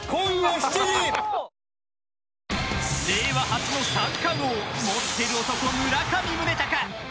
令和初の三冠王もってる男、村上宗隆。